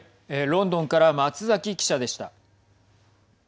ロンドンから松崎記者でした。